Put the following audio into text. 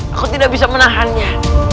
aku tidak bisa menahannya